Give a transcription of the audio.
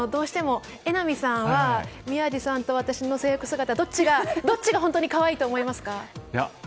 榎並さんは宮司さんと私の制服姿、どっちが本当に可愛いと思いますか？